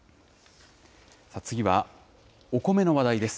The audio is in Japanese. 次はお米の話題です。